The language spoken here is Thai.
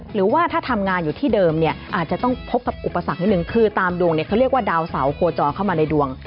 หรือว่าถ้าทำงานอยู่ที่เดิมเนี่ยอาจจะต้องพบกับอุปสรรคนิดนึงคือตามดวงเนี่ยเขาเรียกว่าดาวเสาโคจรเข้ามาในดวง